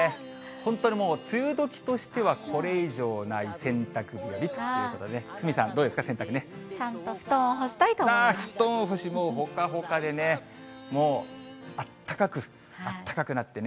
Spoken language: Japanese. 本当にもう梅雨どきとしてはこれ以上ない洗濯日和ということで、ちゃんと布団を干したいと思布団干し、もうほかほかでね、もう、あったかく、あったかくなってね。